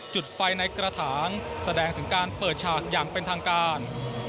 จุดไฟในกระถางแสดงถึงการเปิดฉากอย่างเป็นทางการ